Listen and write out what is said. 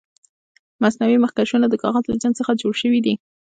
مصنوعي مخکشونه د کاغذ له جنس څخه جوړ شوي دي.